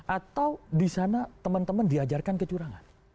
atau di sana teman teman diajarkan kecurangan